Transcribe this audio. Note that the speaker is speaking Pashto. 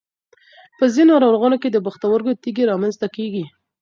په ځینو ناروغانو کې د پښتورګو تېږې رامنځته کېږي.